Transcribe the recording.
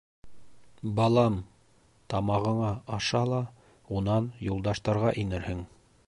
— Балам, тамағыңа аша ла унан Юлдаштарға инерһең.